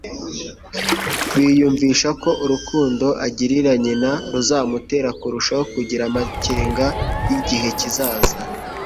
biyumvisha ko urukundo agirira nyina ruzamutera kurushaho kugira amakenga y'igihe kizaza.